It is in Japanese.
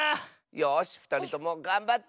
よしふたりともがんばって！